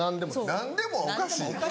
何でもはおかしいやん。